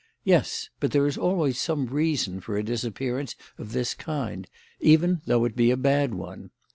Yes; but there is always some reason for a disappearance of this kind, even though it be a bad one.